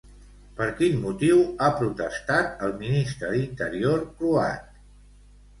Per quin motiu ha protestat el ministre d'Interior croat?